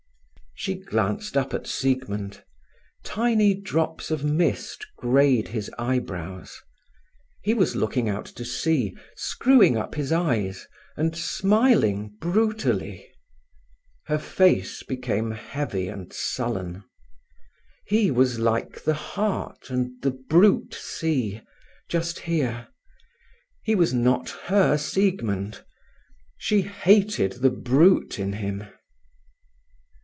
She glanced up at Siegmund. Tiny drops of mist greyed his eyebrows. He was looking out to sea, screwing up his eyes, and smiling brutally. Her face became heavy and sullen. He was like the heart and the brute sea, just here; he was not her Siegmund. She hated the brute in him.